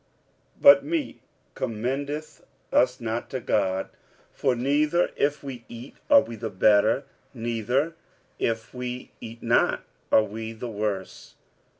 46:008:008 But meat commendeth us not to God: for neither, if we eat, are we the better; neither, if we eat not, are we the worse.